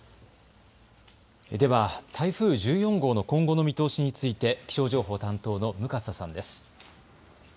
では台風１４号の今後の見通しについて気象情報担当の向笠さんです。